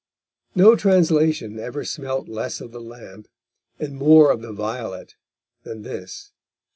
No translation ever smelt less of the lamp, and more of the violet than this.